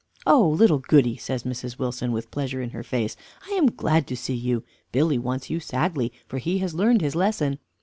"Oh! Little Goody," says Mrs. Wilson, with pleasure in her face, "I am glad to see you Billy wants you sadly for he has learned his lesson."